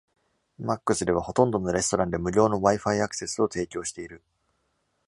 マックスでは、ほとんどのレストランで無料の WiFi アクセスを提供している。